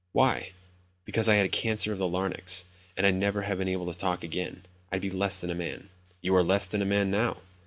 "Why?" "Because I had cancer of the larynx, and I'd never have been able to talk again. I'd be less than a man." "You are less than a man now."